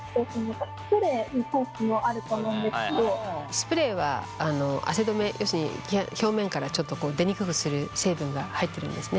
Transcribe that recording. スプレーは汗止め要するに表面から出にくくする成分が入ってるんですね。